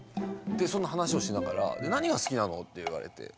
そんな話をしながら「何が好きなの？」って言われて。